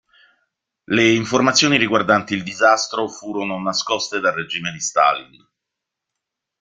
Le informazioni riguardanti il disastro furono nascoste dal regime di Stalin.